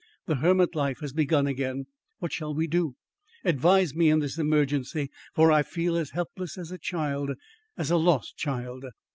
The hermit life has begun again. What shall we do? Advise me in this emergency, for I feel as helpless as a child, as a lost child."